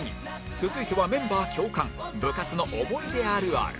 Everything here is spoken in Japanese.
続いてはメンバー共感部活の思い出あるある